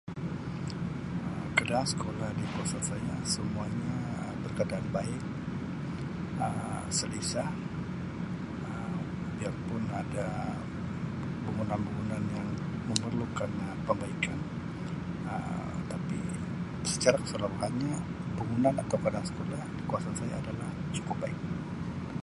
Um Keadaan sekolah di kawasan saya semuanya berkeadaan baik Um selesa Um biarpun ada bangunan-bangunan yang memerlukan Um pembaikkan Um tapi secara keseluruhanya bangunan atau keadaan sekolah di kawasan saya adalah cukup baik.